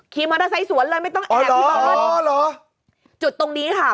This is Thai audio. คีย์มอเตอร์ไซส์สวนเลยไม่ต้องแอบอ๋อหรอหรอจุดตรงนี้ค่ะ